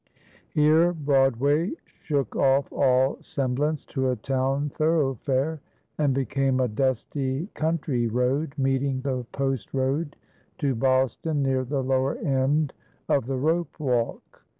Here Broadway shook off all semblance to a town thoroughfare and became a dusty country road, meeting the post road to Boston near the lower end of the rope walk.